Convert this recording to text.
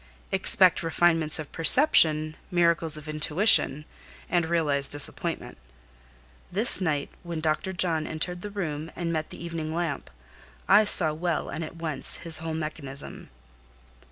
Expect refinements of perception, miracles of intuition, and realize disappointment. This night, when Dr. John entered the room, and met the evening lamp, I saw well and at one glance his whole mechanism.